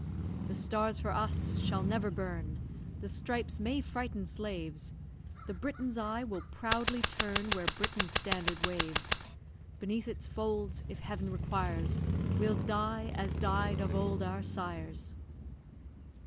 The stars for us shall never burn, The stripes may frighten slaves, The Briton's eye will proudly turn Where Britain's standard waves. Beneath its folds, if Heaven requires, We'll die, as died of old our sires!